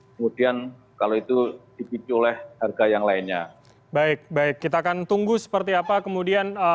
kemudian kalau itu dipicu oleh harga yang lainnya baik baik kita akan tunggu seperti apa kemudian